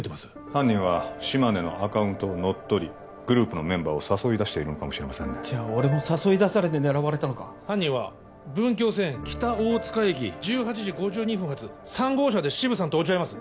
犯人は島根のアカウントを乗っ取りグループのメンバーを誘い出しているのかもしれませんねじゃ俺も誘い出されて狙われたのか犯人は文京線北大塚駅１８時５２分発３号車でシブさんと落ち合います